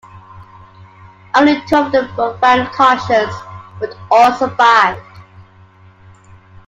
Only two of them were found conscious, but all survived.